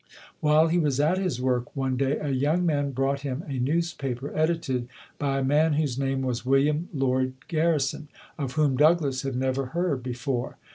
While he was at his work one day a young man brought him a newspaper edited by a man whose name was William Lloyd Garrison, of whom Douglass had never heard before.